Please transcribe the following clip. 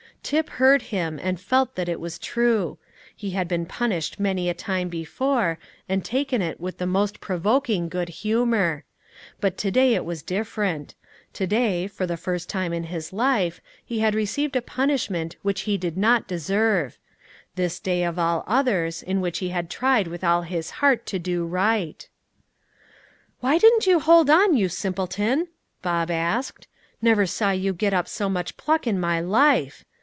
Tip heard him, and felt that it was true. He had been punished many a time before, and taken it with the most provoking good humour. But to day it was different; to day, for the first time in his life, he had received a punishment which he did not deserve; this day of all others, in which he had tried with all his heart to do right! "Why didn't you hold on, you simpleton?" Bob asked. "Never saw you get up so much pluck in my life.